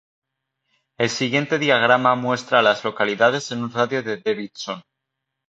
El siguiente diagrama muestra a las localidades en un radio de de Davidson.